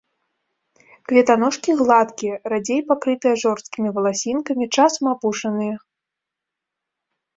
Кветаножкі гладкія, радзей пакрытыя жорсткімі валасінкамі, часам апушаныя.